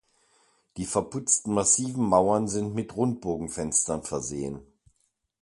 Die verputzten massiven Mauern sind mit Rundbogenfenstern versehen.